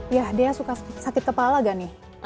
ya dea suka sakit kepala gak nih